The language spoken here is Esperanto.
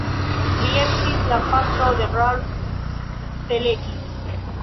Li estis la patro de Ralph Teleki.